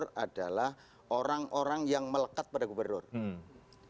kalau ada tenaga tenaga yang melekat pada gubernur maka tugas dia adalah memberikan masukan